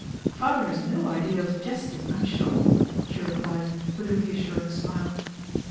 "Father has no idea of jesting, I am sure," she replied, with a reassuring smile.